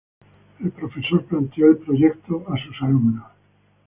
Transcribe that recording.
El profesor planteó el proyecto a sus alumnos.